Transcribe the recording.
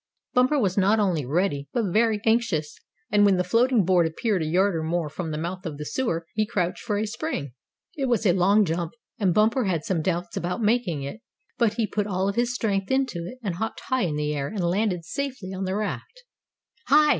Bumper was not only ready, but very anxious, and when the floating board appeared a yard or more from the mouth of the sewer he crouched for a spring. It was a long jump, and Bumper had some doubts about making it; but he put all his strength in it, and hopped high in the air, and landed safely on the raft. "Hi!